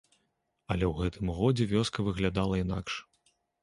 Але ў гэтым годзе вёска выглядала інакш.